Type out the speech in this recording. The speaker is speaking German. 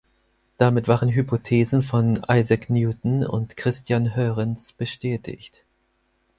Damit waren Hypothesen von Isaac Newton und Christiaan Huygens bestätigt.